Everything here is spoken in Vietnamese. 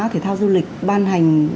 thể thao du lịch ban hành